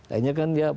akhirnya kan dia